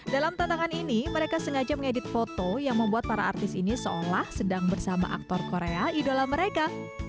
dalam tantangan ini mereka sengaja mengedit foto yang membuat para artis ini seolah sedang bersama aktor korea idola mereka